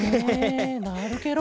なるケロ。